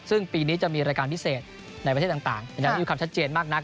ซึ่งปีนี้จะมีรายการพิเศษในประเทศต่างยังไม่มีความชัดเจนมากนัก